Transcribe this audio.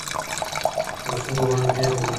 د ښځو ونډه ډېره مهمه ده.